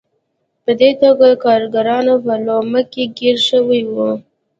په دې توګه کارګران په لومه کې ګیر شوي وو.